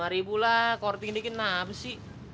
lima ribu lah korting dikit nam sih